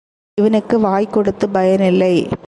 இவனுக்கு வாய் கொடுத்துப் பயன் இல்லை.